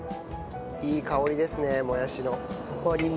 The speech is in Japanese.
いい香りですねもやしの。